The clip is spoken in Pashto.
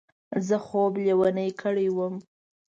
زه خوب لېونی کړی وم.